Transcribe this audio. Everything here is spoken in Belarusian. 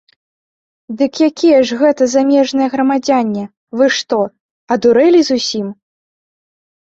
Дык якія ж гэта замежныя грамадзяне, вы што, адурэлі зусім?!